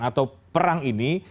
atau perang ini